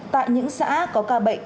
tại những xã có ca bệnh